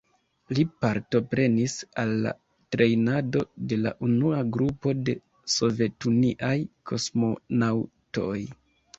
Li partoprenis al la trejnado de la unua grupo de sovetuniaj kosmonaŭtoj.